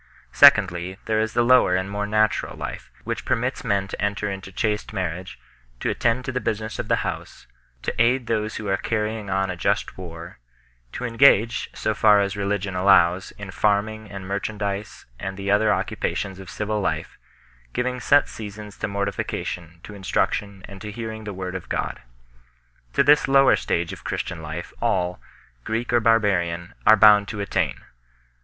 Secondly, there is the lower and more natural life, which permits men to enter into chaste marriage, to attend to the business of the house, to aid those who are carrying on a just war, to engage, so far as religion allows, in farming and merchandize and the other occupations of civil life, giving set seasons to mortification, to instruction, and to hearing the Word of God. To this lower stage of Christian life all, Greek or barbarian, are bound to attain.